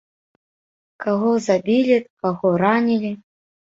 Каго забілі, каго ранілі.